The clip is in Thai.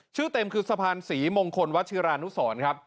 ชื่อเต็มคือสะพานศรีมงคลวัชิรานุสรครับ